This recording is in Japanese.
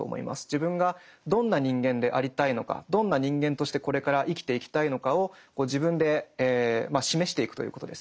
自分がどんな人間でありたいのかどんな人間としてこれから生きていきたいのかを自分で示していくということですね。